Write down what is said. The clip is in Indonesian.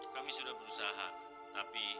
kami sudah berusaha tapi